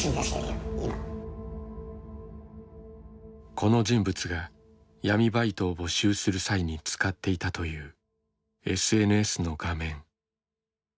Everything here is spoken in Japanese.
この人物が闇バイトを募集する際に使っていたというＳＮＳの画面。